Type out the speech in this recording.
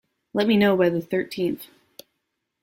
Let me know by the thirteenth.